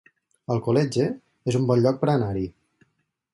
Alcoletge es un bon lloc per anar-hi